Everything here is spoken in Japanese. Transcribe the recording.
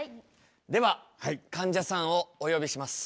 ではかんじゃさんをお呼びします。